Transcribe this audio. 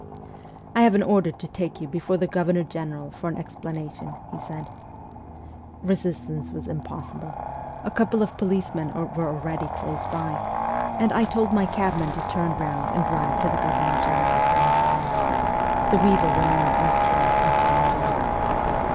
' I have an order to take you before the Governor General for an explanation,' he said. Resistance was impossible a couple of policemen were already close by and I told my cabman to turn round and drive to the Governor General's house. The weaver remained in his cab and followed us.